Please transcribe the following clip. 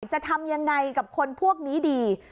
จะทำยังไงกับคนพวกนี้ดี